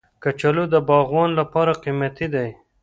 کچالو د باغوان لپاره قیمتي دی